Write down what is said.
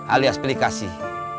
alias pilih kasih